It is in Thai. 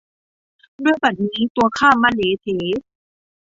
ด้วยบัดนี้ตัวข้ามะเหลเถ